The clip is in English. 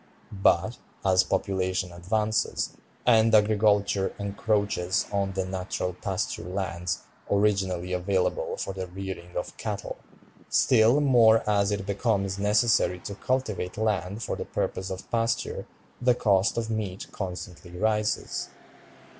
But, as population advances, and agriculture encroaches on the natural pasture lands originally available for the rearing of cattle, still more as it becomes necessary to cultivate land for the purpose of pasture, the cost of meat constantly rises."